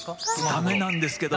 駄目なんですけど。